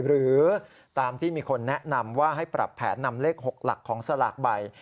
หรือตามที่มีคนแนะนำว่าให้ปรับแผนนำเลข๖หลักของสลากใบ